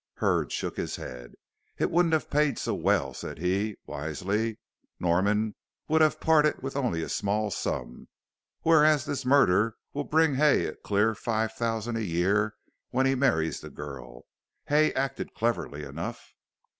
Hurd shook his head. "It wouldn't have paid so well," said he, wisely. "Norman would have parted only with a small sum, whereas this murder will bring in Hay a clear five thousand a year when he marries the girl. Hay acted cleverly enough."